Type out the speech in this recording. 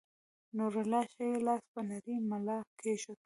نورالله ښے لاس پۀ نرۍ ملا کېښود